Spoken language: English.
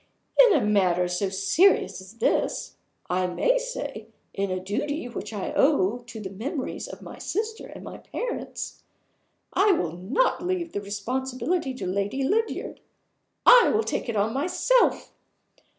In a matter so serious as this I may say, in a duty which I owe to the memories of my sister and my parents I will not leave the responsibility to Lady Lydiard. I will take it on myself.